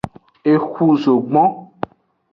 Exu zogbon.